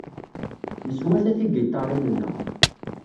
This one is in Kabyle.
Neswata tigiṭarin-nneɣ.